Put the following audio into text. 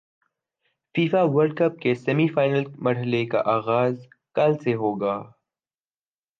FIFA world cup کے semi final مرحلے کا غاز کل سے ہو گا